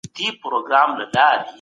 دا د بریا ټوله فلسفه ده.